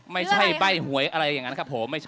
ไม่ใช่ใบ้หวยอะไรอย่างนั้นครับผม